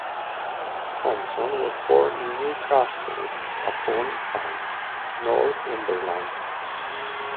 Thompson was born in Newcastle upon Tyne, Northumberland.